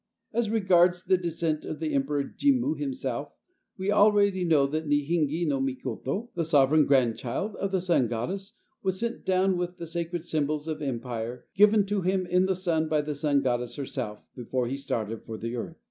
As regards the descent of the Emperor Jimmu himself we already know that Ninigi no Mikoto, "the sovran grandchild" of the sun goddess, was sent down with the sacred symbols of empire given to him in the sun by the sun goddess herself before he started for the earth.